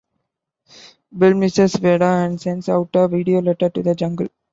Bel misses Weda and sends out a video letter to the jungle.